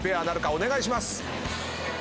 お願いします！